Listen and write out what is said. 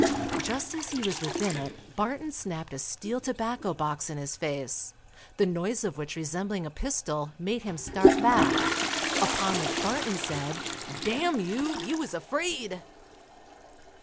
Just as he was within it, Barton snapped a steel tobacco box in his face, the noise of which resembling a pistol, made him start back, upon which Barton said, _D n you, you was afraid.